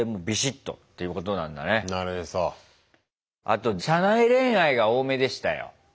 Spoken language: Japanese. あと社内恋愛が多めでしたよ。